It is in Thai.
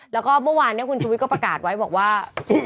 แล้วก็เมื่อวานคุณชุวิตก็ประกาศไว้บอกว่า